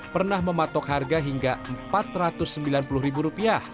pernah mematok harga hingga rp empat ratus sembilan puluh